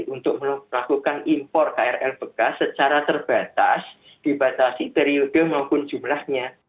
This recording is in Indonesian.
untuk melakukan impor krl bekas secara terbatas dibatasi periode maupun jumlahnya